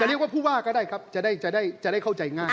เรียกว่าผู้ว่าก็ได้ครับจะได้เข้าใจง่าย